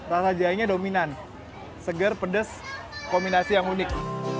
rasa jahenya dominan seger pedas kombinasi yang unik